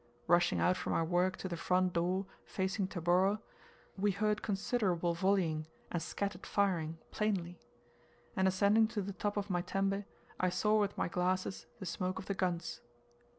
Rushing out from our work to the front door facing Tabora, we heard considerable volleying, and scattered firing, plainly; and ascending to the top of my tembe, I saw with my glasses the smoke of the guns.